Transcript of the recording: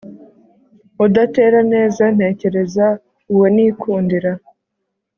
udatera neza ntekereza uwo nikundira